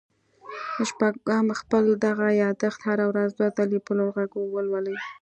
شپږم خپل دغه ياداښت هره ورځ دوه ځله په لوړ غږ ولولئ.